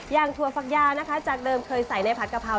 ถั่วฝักยาวนะคะจากเดิมเคยใส่ในผัดกะเพรา